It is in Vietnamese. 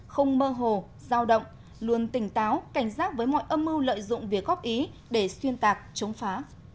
không mơ hồ giao động luôn tỉnh táo cảnh giác với mọi âm mưu lợi dụng việc góp ý để xuyên tạc chống phá